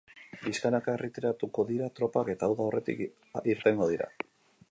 Pixkanaka erretiratuko dira tropak eta uda aurretik irtengo dira.